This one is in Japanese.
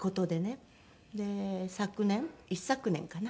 で昨年一昨年かな。